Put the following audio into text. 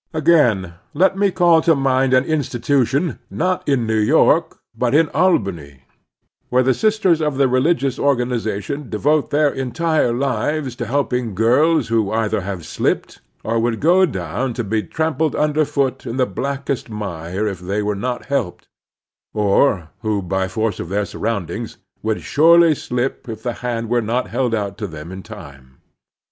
Again, let me call to mind an institution, not in New York, but in Albany, where the sisters of a religious organization devote their entire lives to helping girls who either have slipped, and would go down to be trampled underfoot in the blackest mire if they were not helped, or who, by force of their surrotmdings, would surely slip if the hand were not held out to them in time.